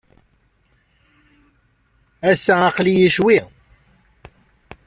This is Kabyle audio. Ass-a, aql-iyi ccwi.